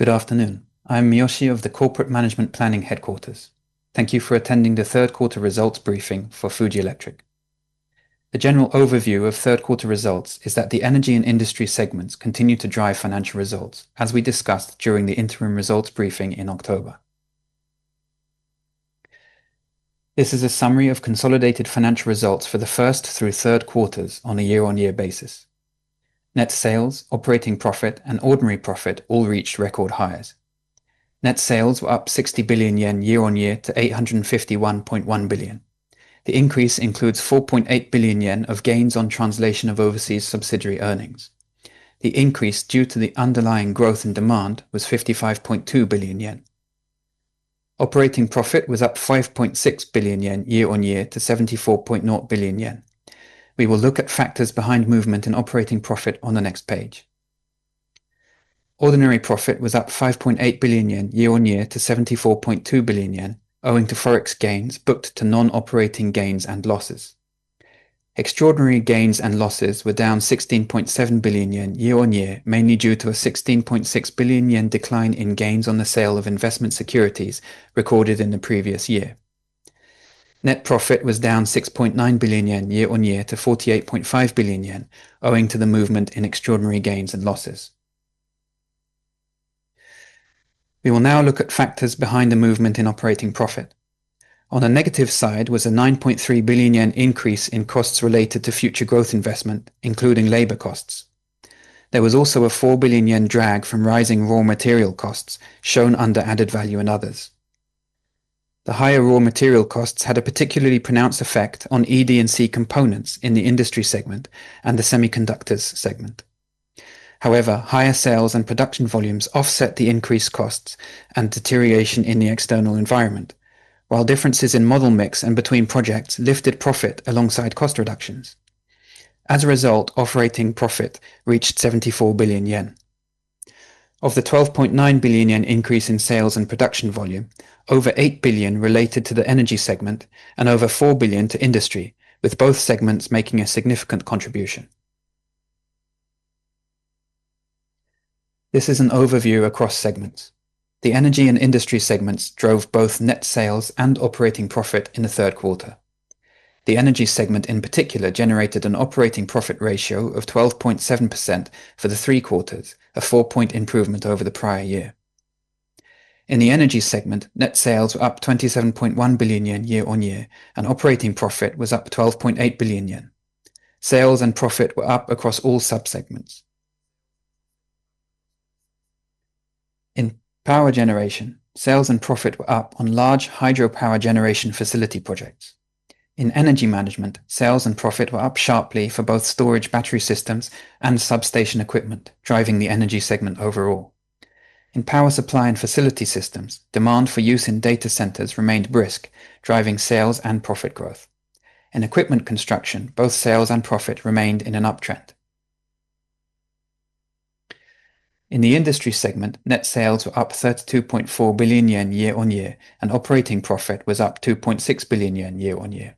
Good afternoon. I'm Miyoshi of the Corporate Management Planning Headquarters. Thank you for attending the third quarter results briefing for Fuji Electric. The general overview of third quarter results is that the energy and industry segments continue to drive financial results, as we discussed during the interim results briefing in October. This is a summary of consolidated financial results for the first through third quarters on a year-on-year basis. Net sales, operating profit, and ordinary profit all reached record highs. Net sales were up 60 billion yen year-on-year to 851.1 billion. The increase includes 4.8 billion yen of gains on translation of overseas subsidiary earnings. The increase due to the underlying growth in demand was 55.2 billion yen. Operating profit was up 5.6 billion yen year-on-year to 74.0 billion yen. We will look at factors behind movement in operating profit on the next page. Ordinary profit was up 5.8 billion yen year-on-year to 74.2 billion yen, owing to Forex gains booked to non-operating gains and losses. Extraordinary gains and losses were down 16.7 billion yen year-on-year, mainly due to a 16.6 billion yen decline in gains on the sale of investment securities recorded in the previous year. Net profit was down 6.9 billion yen year-on-year to 48.5 billion yen, owing to the movement in extraordinary gains and losses. We will now look at factors behind the movement in operating profit. On the negative side was a 9.3 billion yen increase in costs related to future growth investment, including labor costs. There was also a 4 billion yen drag from rising raw material costs shown under added value and others. The higher raw material costs had a particularly pronounced effect on ED&C components in the industry segment and the semiconductors segment. However, higher sales and production volumes offset the increased costs and deterioration in the external environment, while differences in model mix and between projects lifted profit alongside cost reductions. As a result, operating profit reached 74 billion yen. Of the 12.9 billion yen increase in sales and production volume, over 8 billion related to the energy segment and over 4 billion to industry, with both segments making a significant contribution. This is an overview across segments. The energy and industry segments drove both net sales and operating profit in the third quarter. The energy segment, in particular, generated an operating profit ratio of 12.7% for the three quarters, a 4-point improvement over the prior year. In the energy segment, net sales were up 27.1 billion yen year-on-year, and operating profit was up 12.8 billion yen. Sales and profit were up across all sub-segments. In power generation, sales and profit were up on large hydropower generation facility projects. In energy management, sales and profit were up sharply for both storage battery systems and substation equipment, driving the energy segment overall. In power supply and facility systems, demand for use in data centers remained brisk, driving sales and profit growth. In equipment construction, both sales and profit remained in an uptrend. In the industry segment, net sales were up 32.4 billion yen year-on-year, and operating profit was up 2.6 billion yen year-on-year.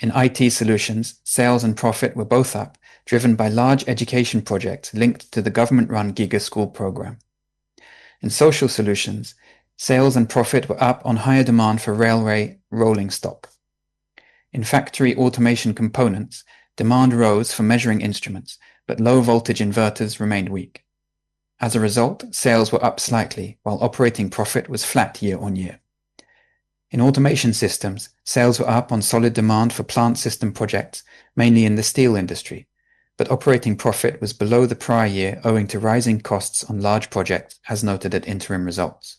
In IT solutions, sales and profit were both up, driven by large education projects linked to the government-run GIGA School Program. In social solutions, sales and profit were up on higher demand for railway rolling stock. In factory automation components, demand rose for measuring instruments, but low voltage inverters remained weak. As a result, sales were up slightly, while operating profit was flat year-on-year. In automation systems, sales were up on solid demand for plant system projects, mainly in the steel industry, but operating profit was below the prior year owing to rising costs on large projects, as noted at interim results.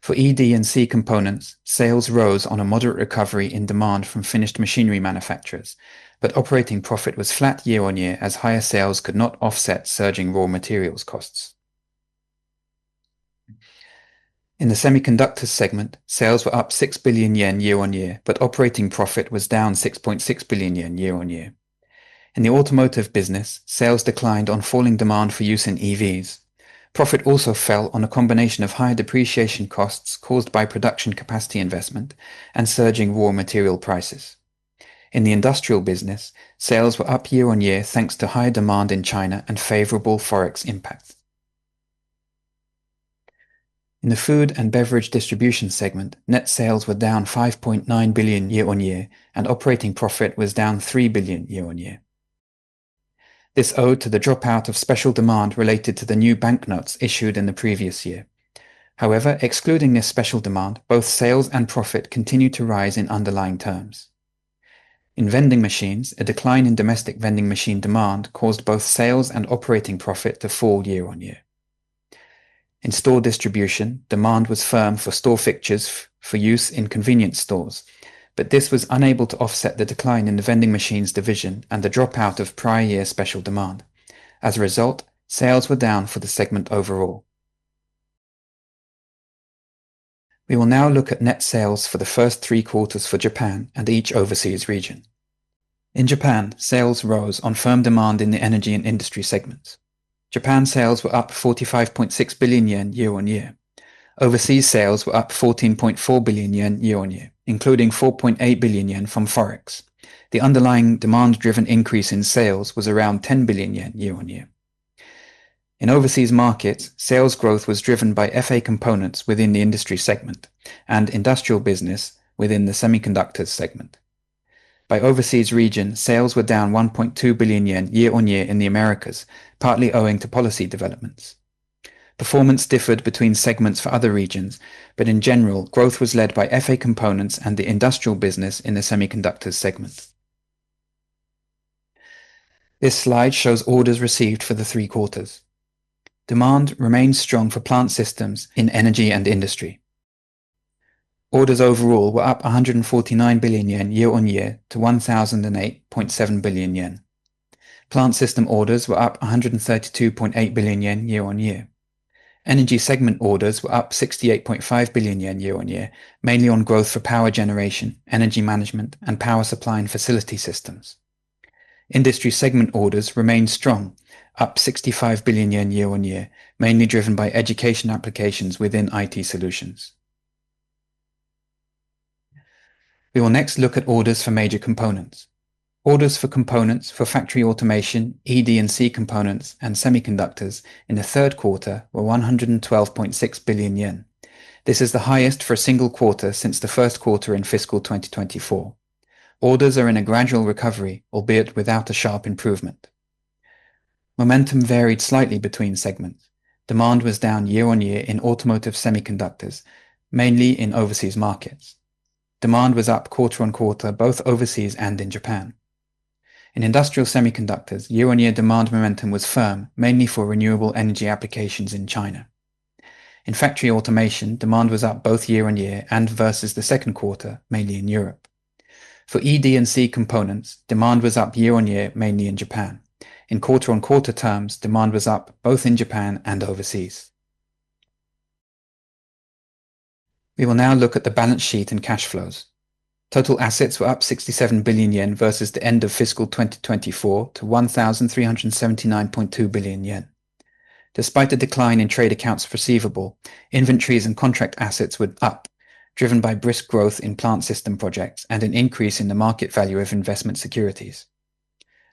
For ED&C components, sales rose on a moderate recovery in demand from finished machinery manufacturers, but operating profit was flat year-on-year as higher sales could not offset surging raw materials costs. In the semiconductors segment, sales were up 6 billion yen year-on-year, but operating profit was down 6.6 billion yen year-on-year. In the automotive business, sales declined on falling demand for use in EVs. Profit also fell on a combination of higher depreciation costs caused by production capacity investment and surging raw material prices. In the industrial business, sales were up year-on-year, thanks to higher demand in China and favorable Forex impact. In the food and beverage distribution segment, net sales were down 5.9 billion year-on-year, and operating profit was down 3 billion year-on-year. This owed to the dropout of special demand related to the new banknotes issued in the previous year. However, excluding this special demand, both sales and profit continued to rise in underlying terms. In vending machines, a decline in domestic vending machine demand caused both sales and operating profit to fall year-on-year. In store distribution, demand was firm for store fixtures for use in convenience stores, but this was unable to offset the decline in the vending machines division and the dropout of prior year special demand. As a result, sales were down for the segment overall. We will now look at net sales for the first three quarters for Japan and each overseas region. In Japan, sales rose on firm demand in the energy and industry segments. Japan sales were up 45.6 billion yen year-on-year.... Overseas sales were up 14.4 billion yen year-on-year, including 4.8 billion yen from Forex. The underlying demand-driven increase in sales was around 10 billion yen year-on-year. In overseas markets, sales growth was driven by FA components within the industry segment and industrial business within the semiconductors segment. By overseas region, sales were down 1.2 billion yen year-on-year in the Americas, partly owing to policy developments. Performance differed between segments for other regions, but in general, growth was led by FA components and the industrial business in the semiconductors segment. This slide shows orders received for the three quarters. Demand remains strong for plant systems in energy and industry. Orders overall were up 149 billion yen year-on-year to 1,008.7 billion yen. Plant system orders were up 132.8 billion yen year-on-year. Energy segment orders were up 68.5 billion yen year-on-year, mainly on growth for power generation, energy management, and power supply and facility systems. Industry segment orders remained strong, up 65 billion yen year-on-year, mainly driven by education applications within IT solutions. We will next look at orders for major components. Orders for components for factory automation, ED&C components, and semiconductors in the third quarter were 112.6 billion yen. This is the highest for a single quarter since the first quarter in fiscal 2024. Orders are in a gradual recovery, albeit without a sharp improvement. Momentum varied slightly between segments. Demand was down year-on-year in automotive semiconductors, mainly in overseas markets. Demand was up quarter-on-quarter, both overseas and in Japan. In industrial semiconductors, year-on-year demand momentum was firm, mainly for renewable energy applications in China. In factory automation, demand was up both year-on-year and versus the second quarter, mainly in Europe. For ED&C components, demand was up year-on-year, mainly in Japan. In quarter-on-quarter terms, demand was up both in Japan and overseas. We will now look at the balance sheet and cash flows. Total assets were up 67 billion yen versus the end of fiscal 2024 to 1,379.2 billion yen. Despite the decline in trade accounts receivable, inventories and contract assets were up, driven by brisk growth in plant system projects and an increase in the market value of investment securities.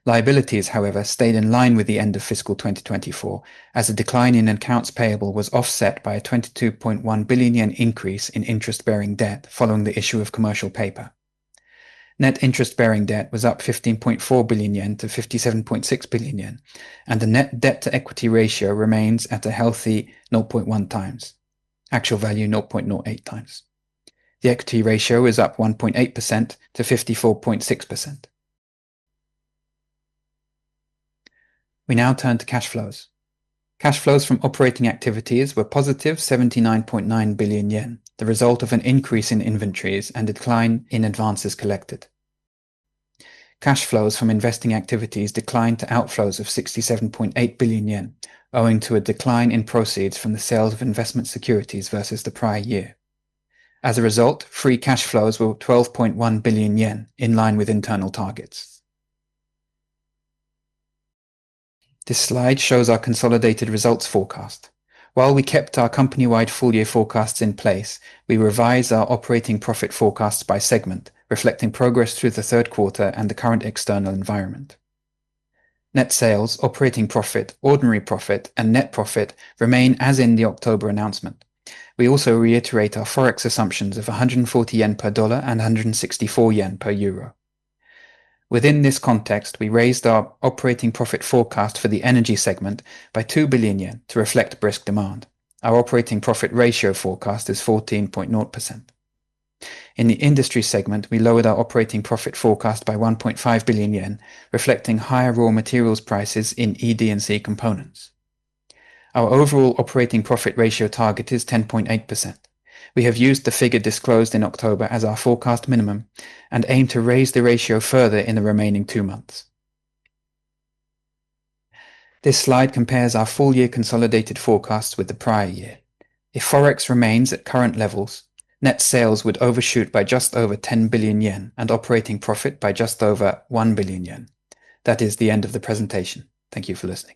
Liabilities, however, stayed in line with the end of fiscal 2024, as a decline in accounts payable was offset by a 22.1 billion yen increase in interest-bearing debt following the issue of commercial paper. Net interest-bearing debt was up 15.4 billion yen to 57.6 billion yen, and the net debt to equity ratio remains at a healthy 0.1 times. Actual value, 0.08 times. The equity ratio is up 1.8% to 54.6%. We now turn to cash flows. Cash flows from operating activities were positive 79.9 billion yen, the result of an increase in inventories and a decline in advances collected. Cash flows from investing activities declined to outflows of 67.8 billion yen, owing to a decline in proceeds from the sales of investment securities versus the prior year. As a result, free cash flows were 12.1 billion yen, in line with internal targets. This slide shows our consolidated results forecast. While we kept our company-wide full-year forecasts in place, we revised our operating profit forecasts by segment, reflecting progress through the third quarter and the current external environment. Net sales, operating profit, ordinary profit, and net profit remain as in the October announcement. We also reiterate our Forex assumptions of 140 yen per dollar and 164 yen per euro. Within this context, we raised our operating profit forecast for the energy segment by 2 billion yen to reflect brisk demand. Our operating profit ratio forecast is 14.0%. In the industry segment, we lowered our operating profit forecast by 1.5 billion yen, reflecting higher raw materials prices in ED&C components. Our overall operating profit ratio target is 10.8%. We have used the figure disclosed in October as our forecast minimum and aim to raise the ratio further in the remaining two months. This slide compares our full-year consolidated forecasts with the prior year. If Forex remains at current levels, net sales would overshoot by just over 10 billion yen and operating profit by just over 1 billion yen. That is the end of the presentation. Thank you for listening.